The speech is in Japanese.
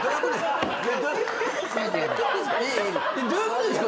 どういうことですか